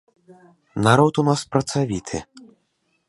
Народ у нас працавіты.